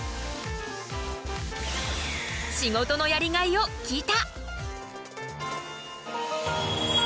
仕事のやりがいを聞いた。